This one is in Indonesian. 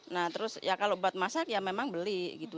nah terus ya kalau buat masak ya memang beli gitu